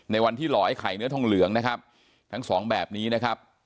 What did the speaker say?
วันที่หลอยไข่เนื้อทองเหลืองนะครับทั้งสองแบบนี้นะครับ